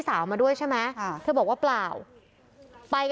คุณพ่อคุณว่าไง